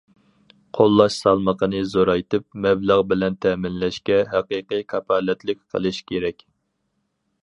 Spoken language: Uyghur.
قوللاش سالمىقىنى زورايتىپ، مەبلەغ بىلەن تەمىنلەشكە ھەقىقىي كاپالەتلىك قىلىش كېرەك.